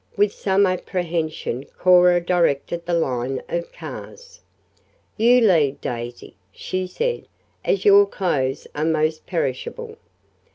With some apprehension Cora directed the line of cars. "You lead, Daisy," she said, "as your clothes are most perishable."